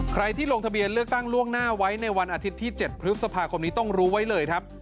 ใครที่ลงทะเบียนเลือกตั้งล่วงหน้าไว้ในวันอาทิตย์ที่๗พฤษภาคมนี้ต้องรู้ไว้เลยครับ